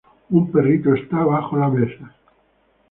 Un perrito está bajo la mesa.